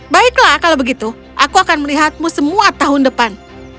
baiklah kalau begitu aku akan melihatmu semua tahun depan